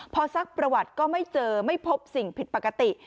พอซักประวัติก็ไม่เจอไม่พบสิ่งผิดปกติ